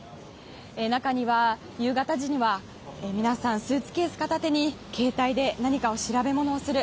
中には、夕方時には皆さんスーツケース片手に携帯で何か調べ物をする。